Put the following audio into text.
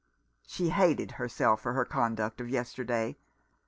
She hated herself for her conduct of yesterday.